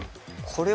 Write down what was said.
これ？